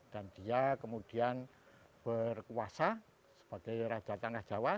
dan dia kemudian berkuasa sebagai raja tanah jawa